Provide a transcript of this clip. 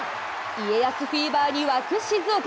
家康フィーバーに沸く静岡。